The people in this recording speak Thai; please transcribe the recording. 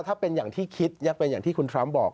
ถ้าเป็นอย่างที่คิดยังเป็นอย่างที่คุณทรัมป์บอก